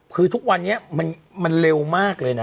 คือทุกวันนี้มันเร็วมากเลยนะ